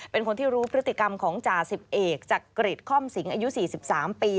เป็นคนที่รู้พฤติกรรมของจ่าสิบเอกจักริจค่อมสิงอายุ๔๓ปี